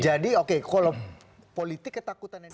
jadi oke kalau politik ketakutan ini